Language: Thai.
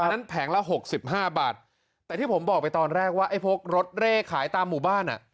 นั้นแผงละหกสิบห้าบาทแต่ที่ผมบอกไปตอนแรกว่าไอ้พวกรถเร่ขายตามหมู่บ้านอ่ะ